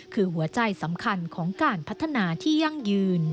คือหัวใจสำคัญของการพัฒนาที่ยั่งยืน